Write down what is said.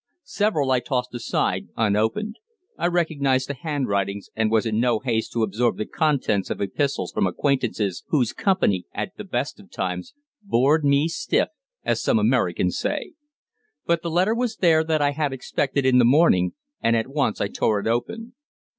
Several I tossed aside unopened I recognized the handwritings and was in no haste to absorb the contents of epistles from acquaintances whose company, at the best of times, "bored me stiff," as some Americans say. But the letter was there that I had expected in the morning, and at once I tore it open.